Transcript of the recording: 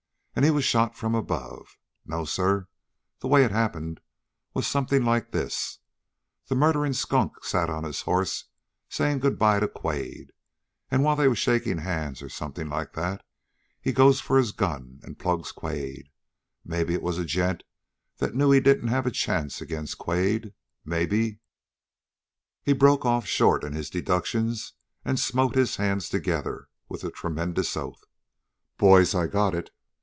And he was shot from above. No, sir, the way it happened was something like this. The murderin' skunk sat on his hoss saying goodby to Quade, and, while they was shaking hands or something like that, he goes for his gun and plugs Quade. Maybe it was a gent that knew he didn't have a chance agin' Quade. Maybe " He broke off short in his deductions and smote his hands together with a tremendous oath. "Boys, I got it!